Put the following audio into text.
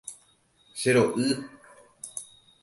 Chero'y.